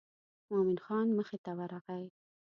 مومن خان مخې ته ورغی.